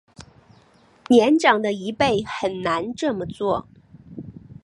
年长的一辈很难这么做